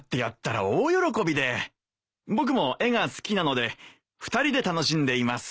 僕も絵が好きなので２人で楽しんでいます。